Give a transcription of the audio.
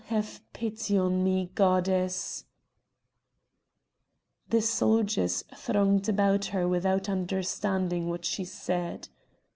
have pity on me, goddess!" The soldiers thronged about her without understanding what she said.